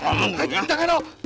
aduh kajian jangan dong